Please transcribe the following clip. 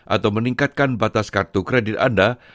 atau meningkatkan batas kartu kredit anda